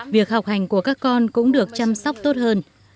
việc học hành của các con cũng được chăm sóc tốt hơn